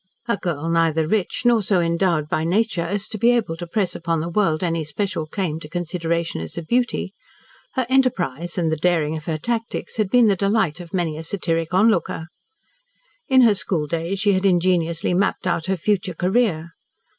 A girl neither rich nor so endowed by nature as to be able to press upon the world any special claim to consideration as a beauty, her enterprise, and the daring of her tactics, had been the delight of many a satiric onlooker. In her schooldays she had ingenuously mapped out her future career.